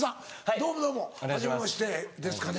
どうもどうもはじめましてですかね。